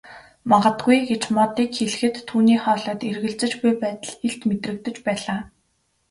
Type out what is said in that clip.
Магадгүй гэж Модыг хэлэхэд түүний хоолойд эргэлзэж буй байдал илт мэдрэгдэж байлаа.